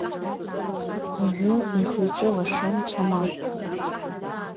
Уажәы ихы-иҿы лашон Қьамал.